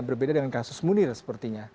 berbeda dengan kasus munir sepertinya